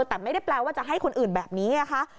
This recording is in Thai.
แต่ไม่ได้แปลว่าจะให้คนอื่นแบบนี้นะคะ